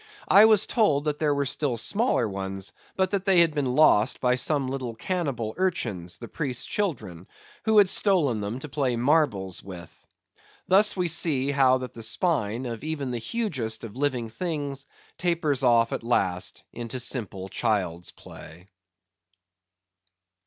I was told that there were still smaller ones, but they had been lost by some little cannibal urchins, the priest's children, who had stolen them to play marbles with. Thus we see how that the spine of even the hugest of living things tapers off at last into simple child's play.